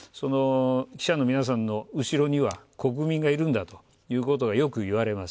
記者の皆さんの後ろには国民がいるんだということがよくいわれます。